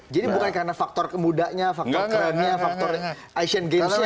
jadi bukan karena faktor kemudanya faktor kerennya faktor asian games nya